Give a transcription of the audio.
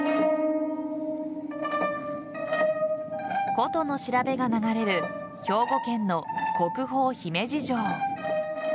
琴の調べが流れる兵庫県の国宝・姫路城。